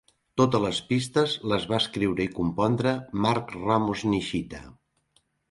Totes les pistes les va escriure i compondre Mark Ramos-Nishita.